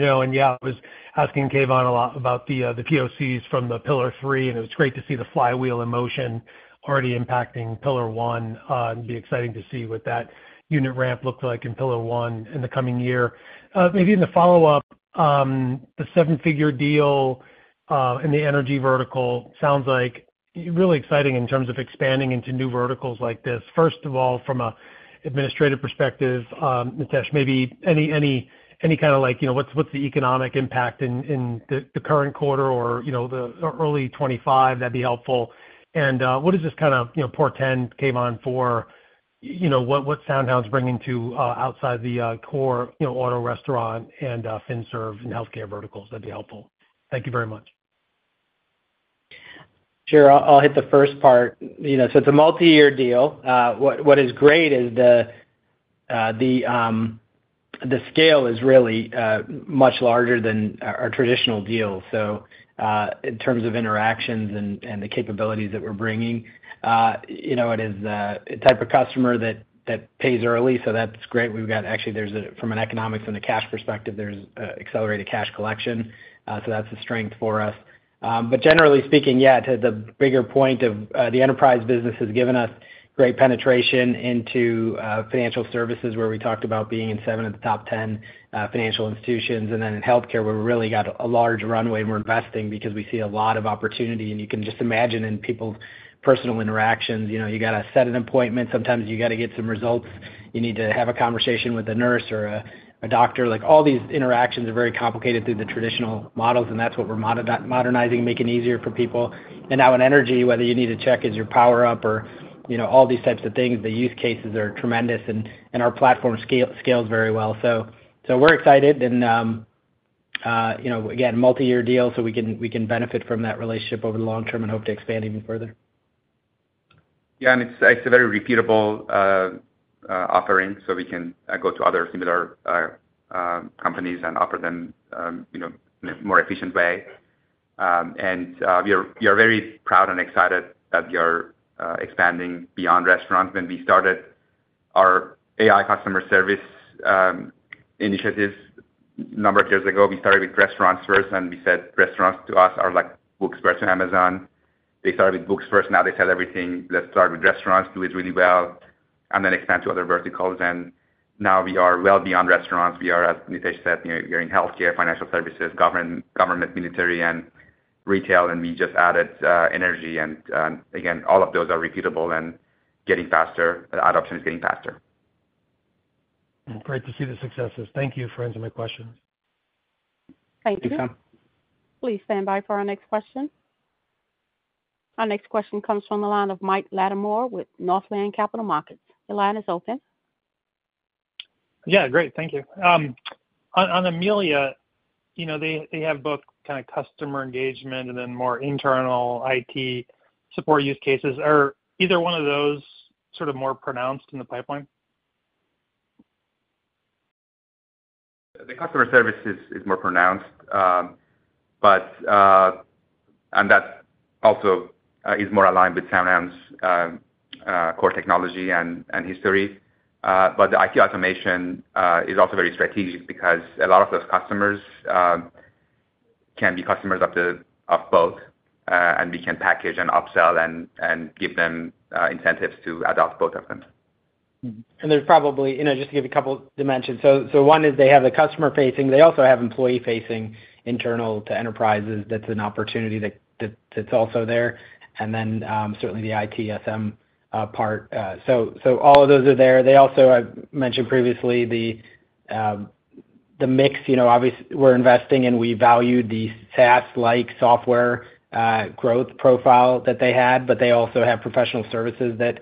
know. And yeah, I was asking Keyvan a lot about the POCs from the pillar 3, and it was great to see the flywheel in motion already impacting Pillar 1. It'd be exciting to see what that unit ramp looked like in pillar1 in the coming year. Maybe in the follow-up, the seven-figure deal in the energy vertical sounds like really exciting in terms of expanding into new verticals like this. First of all, from an administrative perspective, Nitesh, maybe any kind of what's the economic impact in the current quarter or the early 2025? That'd be helpful. And what does this kind of portend, Keyvan, for what SoundHound's bringing to outside the core auto, restaurant, and Finserve and healthcare verticals? That'd be helpful. Thank you very much. Sure. I'll hit the first part. So it's a multi-year deal. What is great is the scale is really much larger than our traditional deal. So in terms of interactions and the capabilities that we're bringing, it is the type of customer that pays early. So that's great. Actually, from an economics and a cash perspective, there's accelerated cash collection. So that's a strength for us. But generally speaking, yeah, to the bigger point of the enterprise business has given us great penetration into financial services where we talked about being in seven of the top 10 financial institutions. And then in healthcare, where we really got a large runway and we're investing because we see a lot of opportunity. And you can just imagine in people's personal interactions, you got to set an appointment. Sometimes you got to get some results. You need to have a conversation with a nurse or a doctor. All these interactions are very complicated through the traditional models, and that's what we're modernizing, making it easier for people. And now in energy, whether you need to check if your power's up or all these types of things, the use cases are tremendous, and our platform scales very well. So we're excited. And again, multi-year deal so we can benefit from that relationship over the long term and hope to expand even further. Yeah, and it's a very repeatable offering, so we can go to other similar companies and offer them in a more efficient way. And we are very proud and excited that we are expanding beyond restaurants. When we started our AI customer service initiatives a number of years ago, we started with restaurants first, and we said restaurants to us are like bookstores or Amazon. They started with bookstores. Now they sell everything. Let's start with restaurants. Do it really well. And then expand to other verticals. And now we are well beyond restaurants. We are, as Nitesh said, we are in healthcare, financial services, government, military, and retail. And we just added energy. And again, all of those are repeatable and getting faster. The adoption is getting faster. Great to see the successes. Thank you for answering my questions. Thank you. Please stand by for our next question. Our next question comes from the line of Mike Latimore with Northland Capital Markets. The line is open. Yeah, great. Thank you. On Amelia, they have both kind of customer engagement and then more internal IT support use cases. Are either one of those sort of more pronounced in the pipeline? The customer service is more pronounced, and that also is more aligned with SoundHound's core technology and history. But the IT automation is also very strategic because a lot of those customers can be customers of both, and we can package and upsell and give them incentives to adopt both of them. And there's probably, just to give a couple of dimensions. So one is they have the customer-facing. They also have employee-facing internal to enterprises. That's an opportunity that's also there. And then certainly the ITSM part. So all of those are there. They also, I mentioned previously, the mix. Obviously, we're investing and we value the SaaS-like software growth profile that they had, but they also have professional services that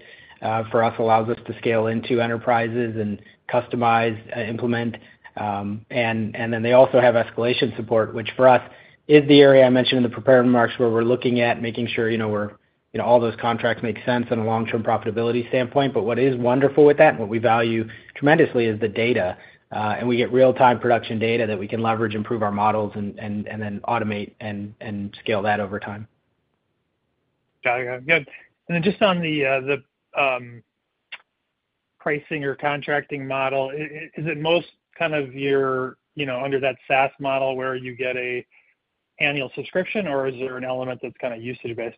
for us allows us to scale into enterprises and customize, implement. And then they also have escalation support, which for us is the area I mentioned in the prepared remarks where we're looking at making sure all those contracts make sense on a long-term profitability standpoint. But what is wonderful with that, and what we value tremendously, is the data. And we get real-time production data that we can leverage, improve our models, and then automate and scale that over time. Got it. Got it. Good. And then just on the pricing or contracting model, is it most kind of under that SaaS model where you get an annual subscription, or is there an element that's kind of usage-based?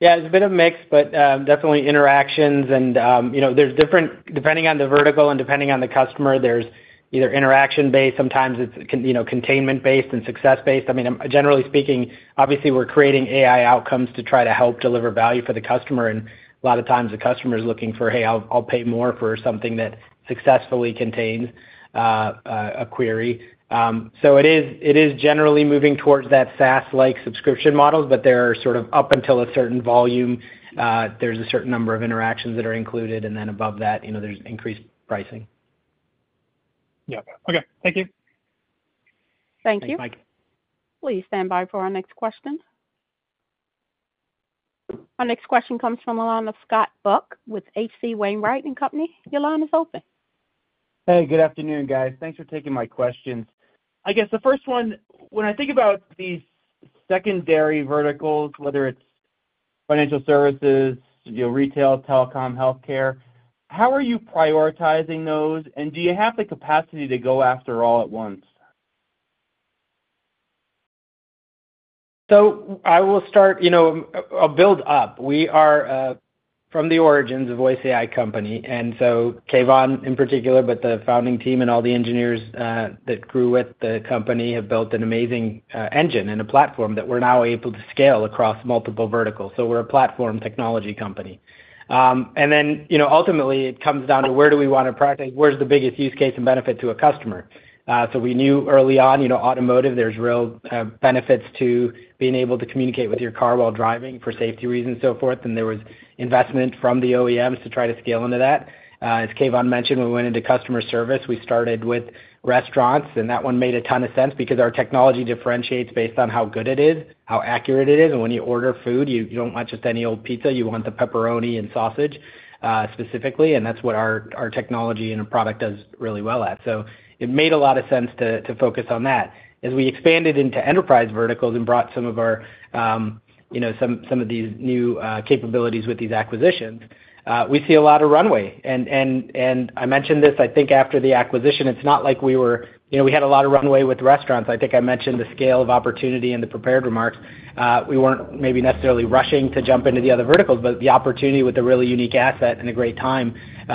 Yeah, it's a bit of a mix, but definitely interactions. And depending on the vertical and depending on the customer, there's either interaction-based. Sometimes it's containment-based and success-based. I mean, generally speaking, obviously, we're creating AI outcomes to try to help deliver value for the customer. And a lot of times, the customer is looking for, "Hey, I'll pay more for something that successfully contains a query." So it is generally moving towards that SaaS-like subscription models, but there are sort of up until a certain volume, there's a certain number of interactions that are included, and then above that, there's increased pricing. Yep. Okay. Thank you. Thank you Please stand by for our next question. Our next question comes from the line of Scott Buck with H.C. Wainwright & Co. Your line is open. Hey, good afternoon, guys. Thanks for taking my questions. I guess the first one, when I think about these secondary verticals, whether it's financial services, retail, telecom, healthcare, how are you prioritizing those, and do you have the capacity to go after all at once? So I will start. I'll build up. We are from the origins of voice AI company. And so Keyvan, in particular, but the founding team and all the engineers that grew with the company have built an amazing engine and a platform that we're now able to scale across multiple verticals. So we're a platform technology company. And then ultimately, it comes down to where do we want to practice? Where's the biggest use case and benefit to a customer? So we knew early on, automotive, there's real benefits to being able to communicate with your car while driving for safety reasons and so forth. And there was investment from the OEMs to try to scale into that. As Keyvan mentioned, we went into customer service. We started with restaurants, and that one made a ton of sense because our technology differentiates based on how good it is, how accurate it is. When you order food, you don't want just any old pizza. You want the pepperoni and sausage specifically. And that's what our technology and our product does really well at. So it made a lot of sense to focus on that. As we expanded into enterprise verticals and brought some of these new capabilities with these acquisitions, we see a lot of runway. And I mentioned this, I think after the acquisition. It's not like we were. We had a lot of runway with restaurants. I think I mentioned the scale of opportunity in the prepared remarks. We weren't maybe necessarily rushing to jump into the other verticals, but the opportunity with a really unique asset and a great time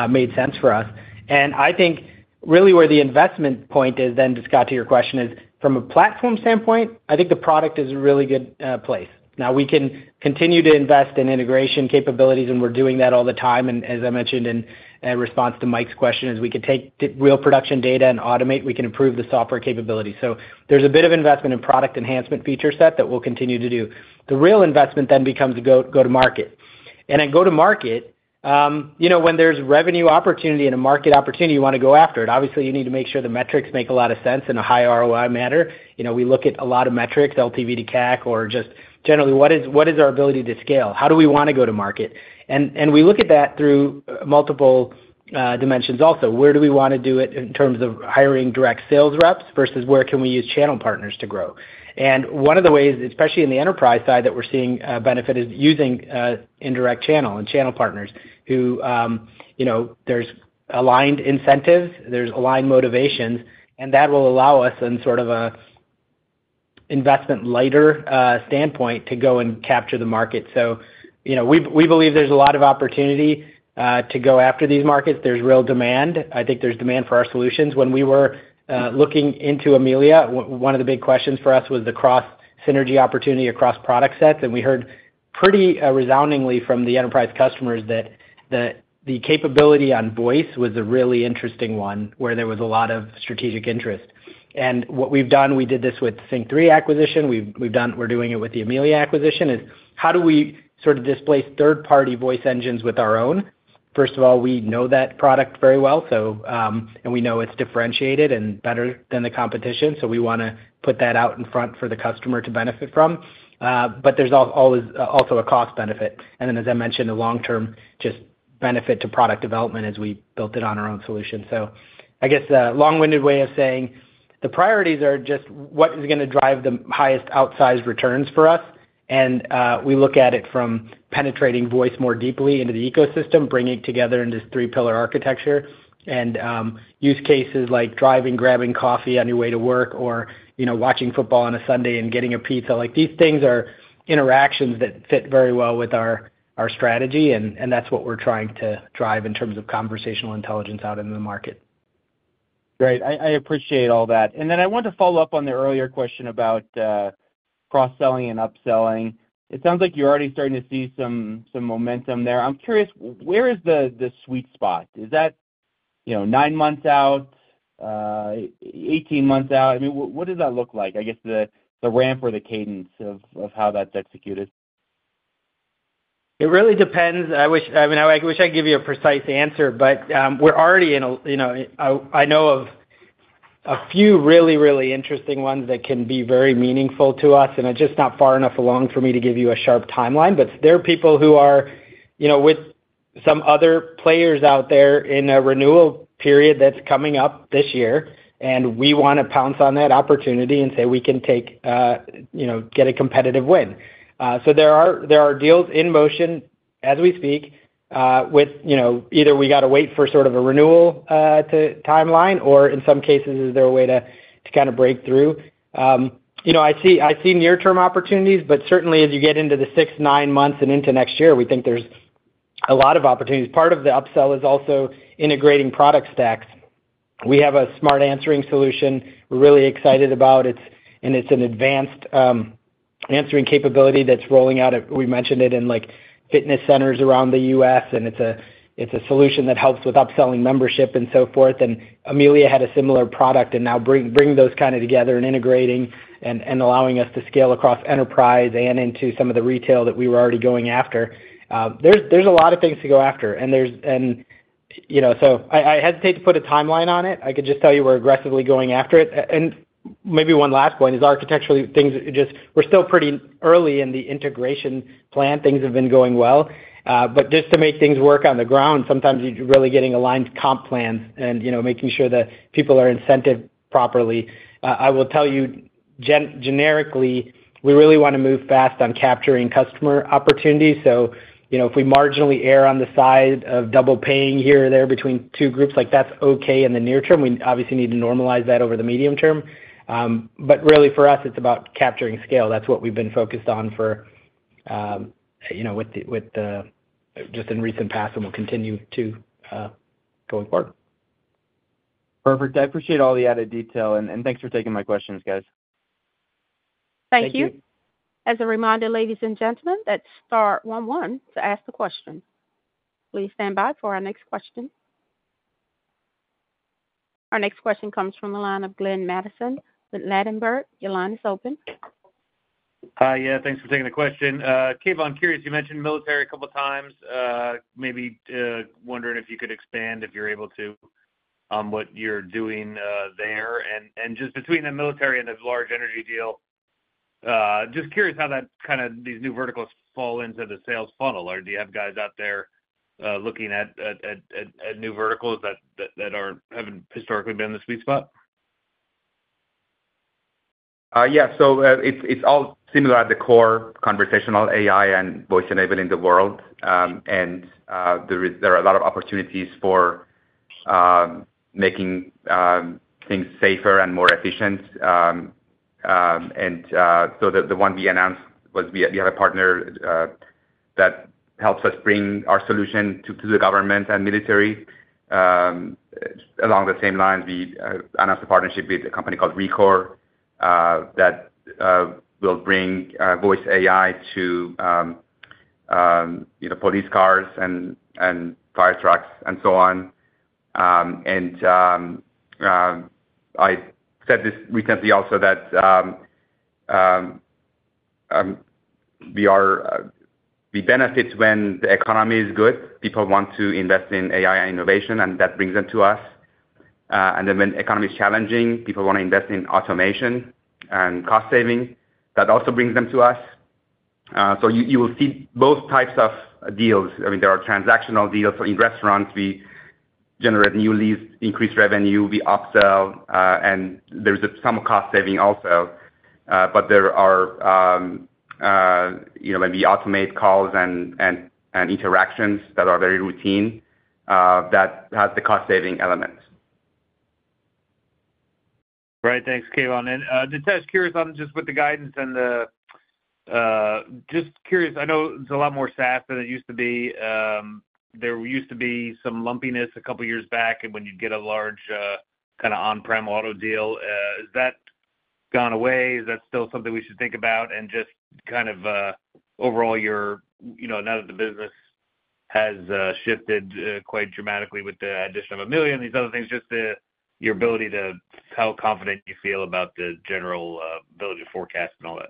made sense for us. I think really where the investment point is, then, to Scott to your question, is from a platform standpoint. I think the product is a really good place. Now, we can continue to invest in integration capabilities, and we're doing that all the time. And as I mentioned in response to Mike's question, as we can take real production data and automate, we can improve the software capability. So there's a bit of investment in product enhancement feature set that we'll continue to do. The real investment then becomes go-to-market. And at go-to-market, when there's revenue opportunity and a market opportunity, you want to go after it. Obviously, you need to make sure the metrics make a lot of sense in a high ROI matter. We look at a lot of metrics, LTV to CAC, or just generally, what is our ability to scale? How do we want to go-to-market? And we look at that through multiple dimensions also. Where do we want to do it in terms of hiring direct sales reps versus where can we use channel partners to grow? And one of the ways, especially in the enterprise side that we're seeing benefit, is using indirect channel and channel partners who there's aligned incentives, there's aligned motivations, and that will allow us in sort of an investment-lighter standpoint to go and capture the market. So we believe there's a lot of opportunity to go after these markets. There's real demand. I think there's demand for our solutions. When we were looking into Amelia, one of the big questions for us was the cross-synergy opportunity across product sets. We heard pretty resoundingly from the enterprise customers that the capability on voice was a really interesting one where there was a lot of strategic interest. And what we've done, we did this with SYNQ3 acquisition. We're doing it with the Amelia acquisition, is how do we sort of displace third-party voice engines with our own? First of all, we know that product very well, and we know it's differentiated and better than the competition. So we want to put that out in front for the customer to benefit from. But there's also a cost benefit. And then, as I mentioned, a long-term just benefit to product development as we built it on our own solution. So I guess the long-winded way of saying the priorities are just what is going to drive the highest outsized returns for us. We look at it from penetrating voice more deeply into the ecosystem, bringing it together into three-pillar architecture and use cases like driving, grabbing coffee on your way to work, or watching football on a Sunday and getting a pizza. These things are interactions that fit very well with our strategy, and that's what we're trying to drive in terms of conversational intelligence out into the market. Great. I appreciate all that. Then I want to follow up on the earlier question about cross-selling and upselling. It sounds like you're already starting to see some momentum there. I'm curious, where is the sweet spot? Is that nine months out, 18 months out? I mean, what does that look like? I guess the ramp or the cadence of how that's executed. It really depends. I mean, I wish I could give you a precise answer, but we're already in a, I know of a few really, really interesting ones that can be very meaningful to us, and it's just not far enough along for me to give you a sharp timeline, but there are people who are with some other players out there in a renewal period that's coming up this year, and we want to pounce on that opportunity and say we can get a competitive win, so there are deals in motion as we speak with either we got to wait for sort of a renewal timeline, or in some cases, is there a way to kind of break through? I see near-term opportunities, but certainly, as you get into the six, nine months and into next year, we think there's a lot of opportunities. Part of the upsell is also integrating product stacks. We have a Smart Answering solution we're really excited about, and it's an advanced answering capability that's rolling out. We mentioned it in fitness centers around the U.S., and it's a solution that helps with upselling membership and so forth, and Amelia had a similar product and now bring those kind of together and integrating and allowing us to scale across enterprise and into some of the retail that we were already going after. There's a lot of things to go after, and so I hesitate to put a timeline on it. I could just tell you we're aggressively going after it, and maybe one last point is architectural things. We're still pretty early in the integration plan. Things have been going well. But just to make things work on the ground, sometimes you're really getting aligned comp plans and making sure that people are incented properly. I will tell you generically, we really want to move fast on capturing customer opportunities. So if we marginally err on the side of double paying here or there between two groups, that's okay in the near term. We obviously need to normalize that over the medium term. But really, for us, it's about capturing scale. That's what we've been focused on with the just in recent past and will continue to go forward. Perfect. I appreciate all the added detail. And thanks for taking my questions, guys. Thank you. Thank you. As a reminder, ladies and gentlemen, that's Star 11 to ask the question. Please stand by for our next question. Our next question comes from the line of Glenn Mattson. Ladenburg, your line is open. Hi, yeah. Thanks for taking the question. Keyvan, curious. You mentioned military a couple of times. Maybe wondering if you could expand, if you're able to, on what you're doing there. And just between the military and the large energy deal, just curious how these new verticals fall into the sales funnel. Or do you have guys out there looking at new verticals that haven't historically been the sweet spot? Yeah. It's all similar at the core conversational AI and voice-enabling the world. And there are a lot of opportunities for making things safer and more efficient. The one we announced was we have a partner that helps us bring our solution to the government and military. Along the same lines, we announced a partnership with a company called Rekor that will bring voice AI to police cars and fire trucks and so on. And I said this recently also that we benefit when the economy is good. People want to invest in AI and innovation, and that brings them to us. And then when the economy is challenging, people want to invest in automation and cost saving. That also brings them to us. So you will see both types of deals. I mean, there are transactional deals. So in restaurants, we generate new leads, increase revenue, we upsell, and there's some cost saving also. But there may be automated calls and interactions that are very routine that have the cost saving elements. Right. Thanks, Keyvan. Just curious on the guidance. I know it's a lot more SaaS than it used to be. There used to be some lumpiness a couple of years back when you'd get a large kind of on-prem auto deal. Is that gone away? Is that still something we should think about? Just kind of overall, now that the business has shifted quite dramatically with the addition of Amelia and these other things, just your ability to how confident you feel about the general ability to forecast and all that.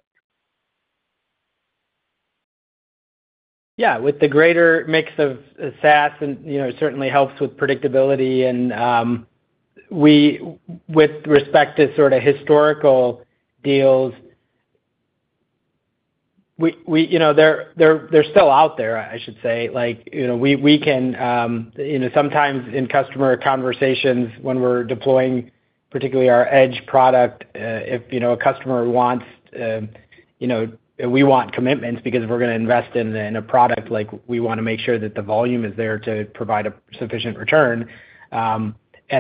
Yeah. With the greater mix of SaaS, it certainly helps with predictability. And with respect to sort of historical deals, they're still out there, I should say. We can sometimes in customer conversations when we're deploying particularly our edge product, if a customer wants we want commitments because we're going to invest in a product. We want to make sure that the volume is there to provide a sufficient return, and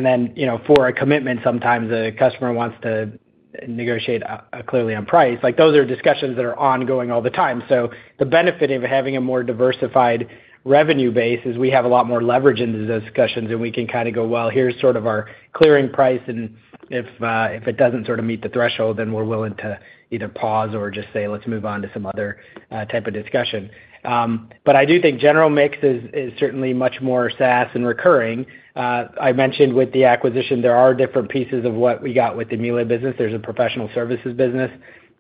then for a commitment, sometimes a customer wants to negotiate clearly on price. Those are discussions that are ongoing all the time, so the benefit of having a more diversified revenue base is we have a lot more leverage in these discussions, and we can kind of go, "Well, here's sort of our clearing price," and if it doesn't sort of meet the threshold, then we're willing to either pause or just say, "Let's move on to some other type of discussion," but I do think general mix is certainly much more SaaS and recurring. I mentioned with the acquisition, there are different pieces of what we got with the Amelia business. There's a professional services business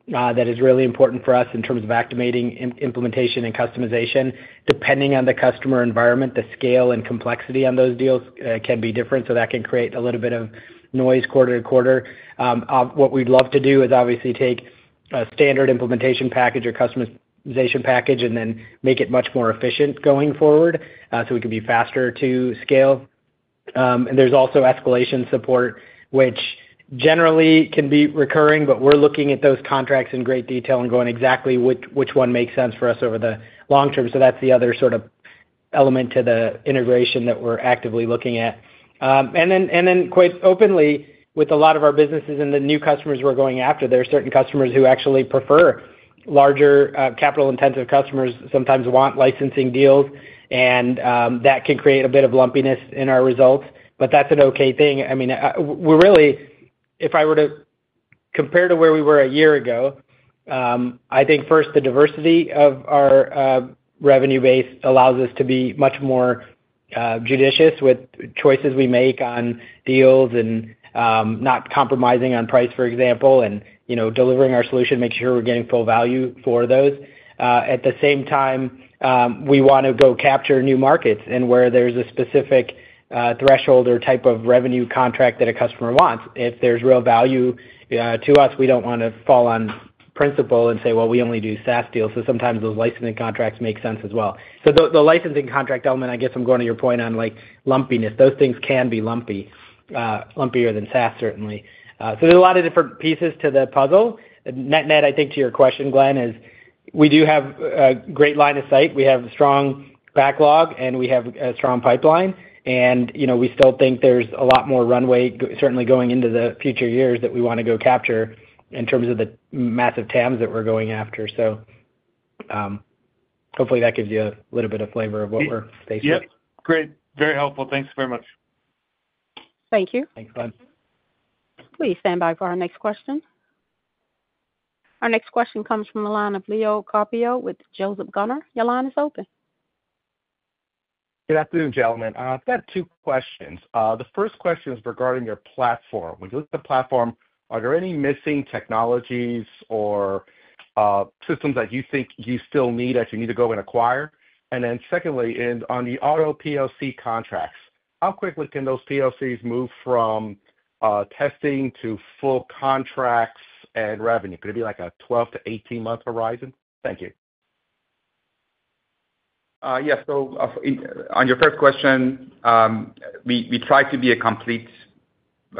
that is really important for us in terms of activating implementation and customization. Depending on the customer environment, the scale and complexity on those deals can be different. So that can create a little bit of noise quarter to quarter. What we'd love to do is obviously take a standard implementation package or customization package and then make it much more efficient going forward so we can be faster to scale. And there's also escalation support, which generally can be recurring, but we're looking at those contracts in great detail and going exactly which one makes sense for us over the long term. So that's the other sort of element to the integration that we're actively looking at. And then quite openly, with a lot of our businesses and the new customers we're going after, there are certain customers who actually prefer larger capital-intensive customers, sometimes want licensing deals, and that can create a bit of lumpiness in our results. But that's an okay thing. I mean, really, if I were to compare to where we were a year ago, I think first, the diversity of our revenue base allows us to be much more judicious with choices we make on deals and not compromising on price, for example, and delivering our solution, making sure we're getting full value for those. At the same time, we want to go capture new markets and where there's a specific threshold or type of revenue contract that a customer wants. If there's real value to us, we don't want to fall on principle and say, "Well, we only do SaaS deals." So sometimes those licensing contracts make sense as well. So the licensing contract element, I guess I'm going to your point on lumpiness. Those things can be lumpy, lumpier than SaaS, certainly. So there's a lot of different pieces to the puzzle. Net-net, I think to your question, Glenn, is we do have a great line of sight. We have a strong backlog, and we have a strong pipeline. And we still think there's a lot more runway, certainly going into the future years that we want to go capture in terms of the massive TAMs that we're going after. So hopefully, that gives you a little bit of flavor of what we're faced with. Yep. Great. Very helpful. Thanks very much. Thank you. Thanks, Glenn. Please stand by for our next question. Our next question comes from the line of Leo Carpio with Joseph Gunnar. Your line is open. Good afternoon, gentlemen. I've got two questions. The first question is regarding your platform. When you look at the platform, are there any missing technologies or systems that you think you still need, that you need to go and acquire? And then secondly, on the auto POC contracts, how quickly can those POCs move from testing to full contracts and revenue? Could it be like a 12 to 18-month horizon? Thank you. Yes. So on your first question, we try to be a complete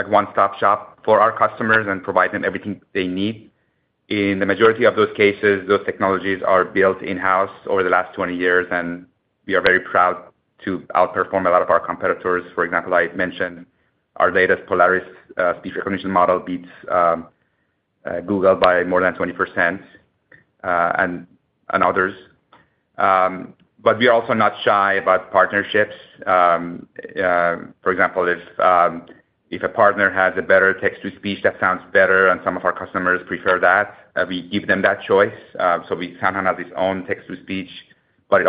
one-stop shop for our customers and provide them everything they need. In the majority of those cases, those technologies are built in-house over the last 20 years, and we are very proud to outperform a lot of our competitors. For example, I mentioned our latest Polaris speech recognition model beats Google by more than 20% and others, but we are also not shy about partnerships. For example, if a partner has a better text-to-speech, that sounds better, and some of our customers prefer that. We give them that choice. So SoundHound has its own text-to-speech, but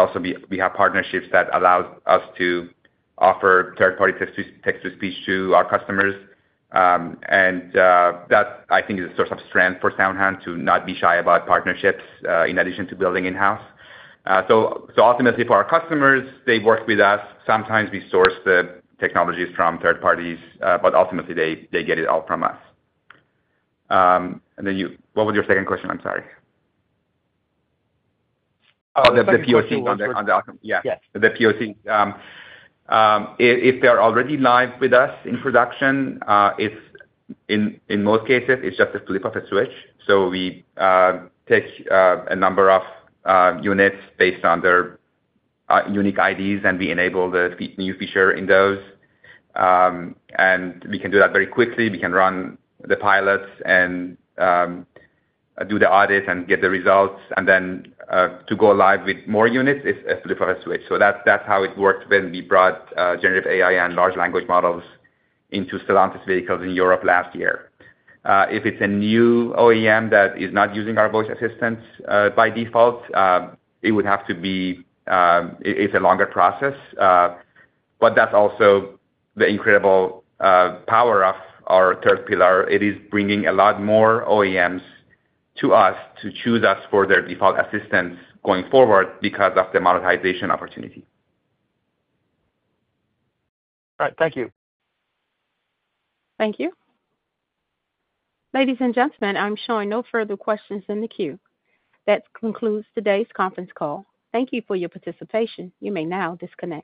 we have partnerships that allow us to offer third-party text-to-speech to our customers. And that, I think, is a source of strength for SoundHound to not be shy about partnerships in addition to building in-house. So ultimately, for our customers, they work with us. Sometimes we source the technologies from third parties, but ultimately, they get it all from us. And then what was your second question? I'm sorry. Oh, the POCs. Yeah. The POCs. If they're already live with us in production, in most cases, it's just a flip of a switch. So we take a number of units based on their unique IDs, and we enable the new feature in those. And we can do that very quickly. We can run the pilots and do the audits and get the results. And then to go live with more units is a flip of a switch. So that's how it worked when we brought generative AI and large language models into Stellantis vehicles in Europe last year. If it's a new OEM that is not using our voice assistants by default, it would have to be a longer process. But that's also the incredible power of our third pillar. It is bringing a lot more OEMs to us to choose us for their default assistants going forward because of the monetization opportunity. All right. Thank you. Thank you. Ladies and gentlemen, I'm showing no further questions in the queue. That concludes today's conference call. Thank you for your participation. You may now disconnect.